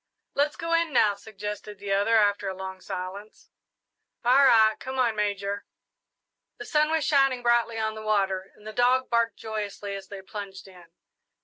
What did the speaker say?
"Let's go in now," suggested the other, after a long silence. "All right come on, Major!" The sun was shining brightly on the water, and the dog barked joyously as they plunged in.